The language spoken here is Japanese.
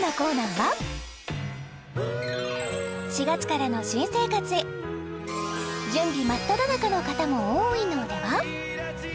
４月からの新生活準備真っただ中の方も多いのでは？